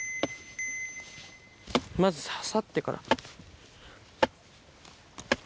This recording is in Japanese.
まず刺さってから。